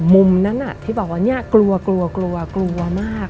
มุมนั้นที่บอกว่ากลัวมาก